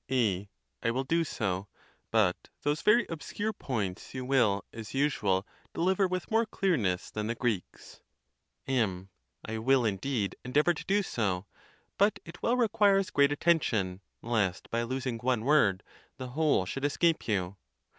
A. I will do so; but those very obscure points you will, as usual, deliver with more clearness than the Greeks. © M. I will, indeed, endeavor to do so; but it well re quires great attention, lest, by losing one word, the whole should escape you.